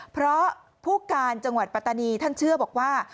เพราะผู้การจังหวัดปัตตานีท่านเชื่อบอกว่า